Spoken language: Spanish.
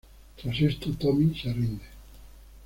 Tras esto, Tommy se rinde.